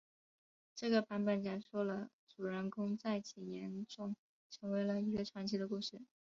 这个版本讲述了主人公在几年中成为了一个传奇的故事。